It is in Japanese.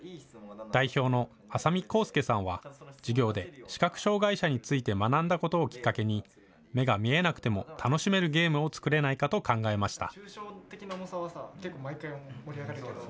代表の浅見幸佑さんは授業で視覚障害者について学んだことをきっかけに目が見えなくても楽しめるゲームを作れないかと考えました。